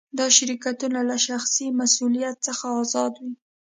دا شرکتونه له شخصي مسوولیت څخه آزاد وي.